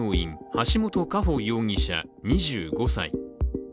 橋本佳歩容疑者２５歳。